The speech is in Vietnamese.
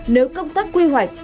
nếu công tác quy hoạch